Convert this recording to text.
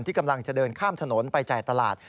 กำลังจะเดินข้ามถนนไปจ่ายตลาด